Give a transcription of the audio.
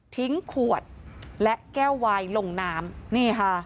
ทิ้งขวดและแก้วไวล่งน้ำ